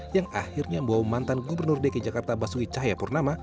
yang akhirnya membawa mantan gubernur dki jakarta basuki cahayapurnama